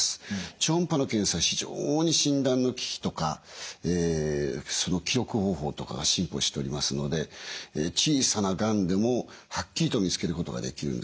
超音波の検査は非常に診断の機器とかその記録方法とかが進歩しておりますので小さながんでもはっきりと見つけることができるんですね。